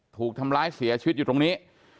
ถูกทำร้ายเสียชีวิตอยู่ตรงนี้